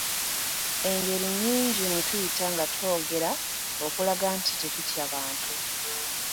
Engeri nnyingi mwe tuyita nga twogera okulaga nti tetutya bantu.